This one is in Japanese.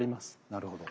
なるほど。